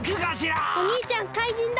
おにいちゃん怪人だ！